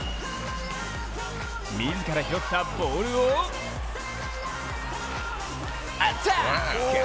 自ら拾ったボールをアタック！